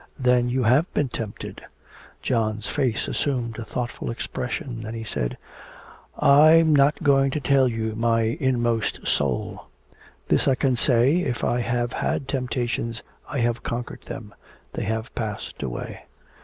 'Then you have been tempted!' John's face assumed a thoughtful expression, and he said: 'I'm not going to tell you my inmost soul. This I can say, if I have had temptations I have conquered them. They have passed away.'